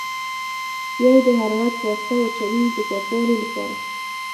بیا یې د حرارت په واسطه وچوي د پاکوالي لپاره.